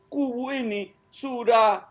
kubu ini sudah